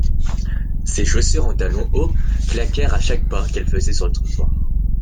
Ses chaussures en talons hauts claquèrent à chaque pas qu'elle faisait sur le trottoir.